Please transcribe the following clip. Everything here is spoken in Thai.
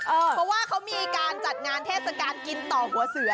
เพราะว่าเขามีการจัดงานเทศกาลกินต่อหัวเสือ